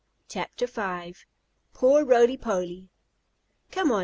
CHAPTER V POOR ROLY POLY "Come on!"